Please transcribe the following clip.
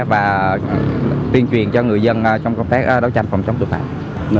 và tuyên truyền cho người dân trong công tác đấu tranh phòng chống tội phạm